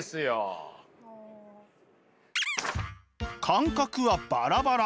感覚はバラバラ。